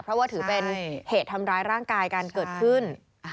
เพราะว่าถือเป็นเหตุทำร้ายร่างกายกันเกิดขึ้น